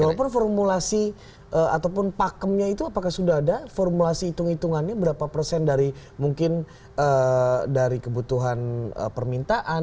walaupun formulasi ataupun pakemnya itu apakah sudah ada formulasi hitung hitungannya berapa persen dari mungkin dari kebutuhan permintaan